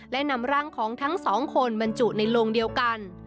และนำร่างของทั้งสองคนบรรจุในโลงเดียวกัน